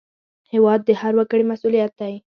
هېواد د هر وګړي مسوولیت دی